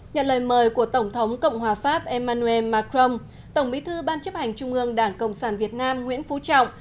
nhận lời mời của tổng thống cộng hòa pháp emmanuel macron tổng bí thư ban chấp hành trung ương đảng cộng sản việt nam nguyễn phú trọng